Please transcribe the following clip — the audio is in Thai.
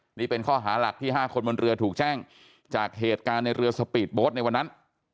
นี่เป็นข้อหาหลักที่๕คนบนเรือถูกแจ้งจากเหตุการณ์ในเรือสปีดโบ๊ทในวันนั้น